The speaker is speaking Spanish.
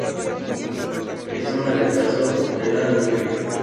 Es zona de paso de la nutria.